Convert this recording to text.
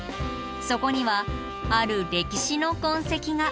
そこにはある歴史の痕跡が。